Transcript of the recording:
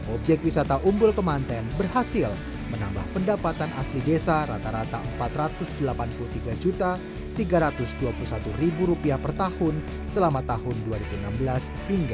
objek wisata umbul kemanten berhasil menambah pendapatan asli desa rata rata rp empat ratus delapan puluh tiga tiga ratus dua puluh satu per tahun selama tahun dua ribu enam belas hingga dua ribu dua puluh